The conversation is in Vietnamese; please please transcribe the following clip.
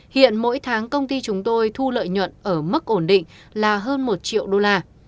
hiện mỗi tháng công ty chúng tôi thu lợi nhuận ở mức ổn định là hơn một triệu đô la